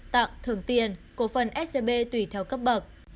tặng thưởng tiền cố phân scb tùy theo cấp bậc